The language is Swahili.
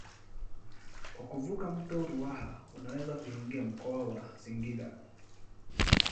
Kwa kuvuka mto Ruaha unaweza kuingia mkoa wa Singida.